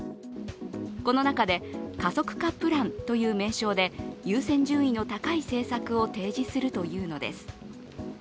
この中で、加速化プランという名称で優先順位の高い政策を提示するというのです。